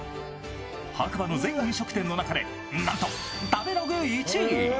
白馬の全飲食店の中でなんと食べログ１位。